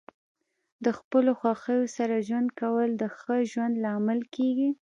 د خپلو خوښیو سره ژوند کول د ښه ژوند لامل کیږي.